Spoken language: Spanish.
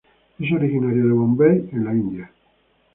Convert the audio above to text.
Es originario de Bombay en la India.